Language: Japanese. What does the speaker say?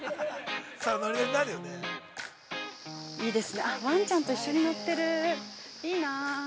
いいですね、わんちゃんと一緒に乗ってる、いいな。